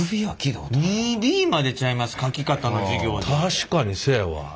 確かにそやわ。